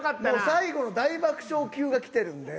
最後の大爆笑級がきてるんで。